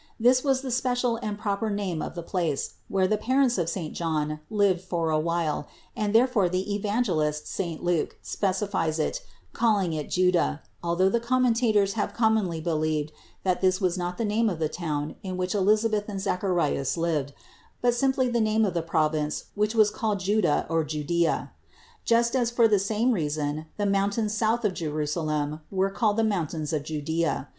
This was the special and proper name of the place, where the parents of saint John lived for a while, and there fore the Evangelist saint Luke specifies it, calling it Juda, although the commentators have commonly be lieved that this was not the name of the town in which Elisabeth and Zacharias lived, but simply the name of the province, which was called Juda or Judea; just as for the same reason the mountains south of Jerusalem were called the mountains of Judea.